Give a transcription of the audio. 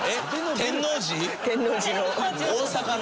天王寺の。